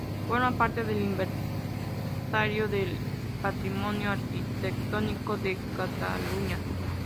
Forma parte del Inventario del Patrimonio Arquitectónico de Cataluña.